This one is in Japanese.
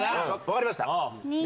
分かりました。